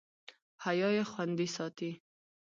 حیا یې خوندي ساتي.